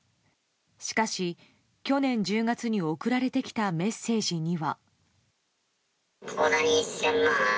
しかし、去年１０月に送られてきたメッセージには。